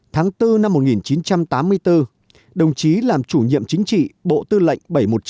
tháng bốn năm một nghìn chín trăm tám mươi bốn đồng chí làm chủ nhiệm chính trị bộ tư lệnh bảy trăm một mươi chín